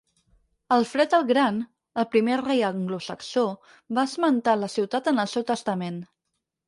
Alfred el Gran, el primer rei anglosaxó va esmentar la ciutat en el seu testament.